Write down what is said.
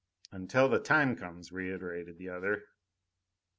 "Until the time comes," reiterated the other.